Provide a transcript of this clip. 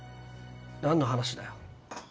何の話だよ。